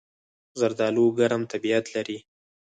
زردالو ګرم طبیعت لري.